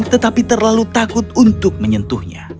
tetapi terlalu takut untuk menyentuhnya